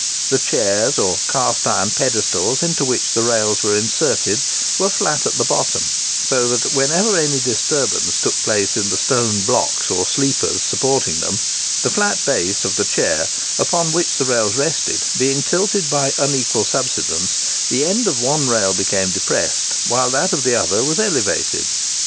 The chairs, or cast iron pedestals into which the rails were inserted, were flat at the bottom; so that, whenever any disturbance took place in the stone blocks or sleepers supporting them, the flat base of the chair upon which the rails rested being tilted by unequal subsidence, the end of one rail became depressed, whilst that of the other was elevated.